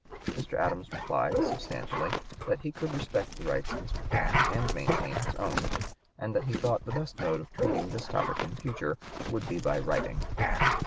'" Mr. Adams replied, substantially, that he could respect the rights of Mr. Canning and maintain his own, and that he thought the best mode of treating this topic in future would be by writing.